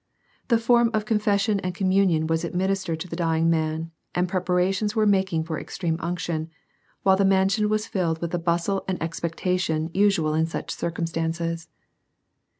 The form of confession and communion was administered to the dying man and preparations were making for extreme unction, while the mansion was filled with the bustle and expectation usual in such circumstances.